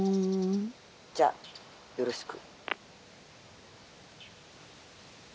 「じゃよろしく」。